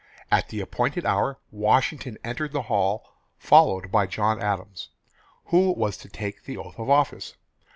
At the appointed hour Washington entered the hall followed by John Adams, who was to take the oath of office.